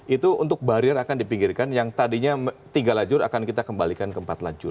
itu untuk barier akan dipinggirkan yang tadinya tiga lajur akan kita kembalikan ke empat lajur